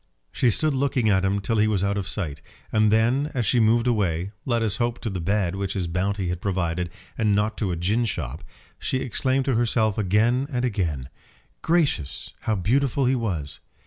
She stood looking at him till he was out of sight, and then as she moved away, let us hope to the bed which his bounty had provided, and not to a gin shop, she exclaimed to herself again and again "Gracious, how beautiful he was!"